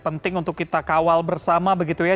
penting untuk kita kawal bersama begitu ya